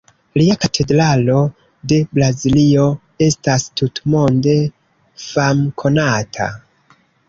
Lia Katedralo de Braziljo estas tutmonde famkonata.